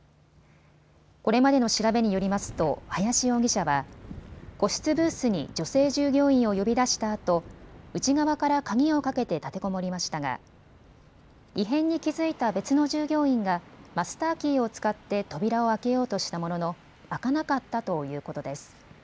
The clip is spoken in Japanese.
これまでの調べによりますと林容疑者は個室ブースに女性従業員を呼び出したあと内側から鍵をかけて立てこもりましたが異変に気付いた別の従業員がマスターキーを使って扉を開けようとしたものの開かなかったということです。